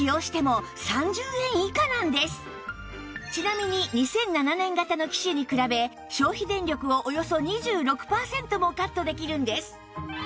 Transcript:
ちなみに２００７年型の機種に比べ消費電力をおよそ２６パーセントもカットできるんです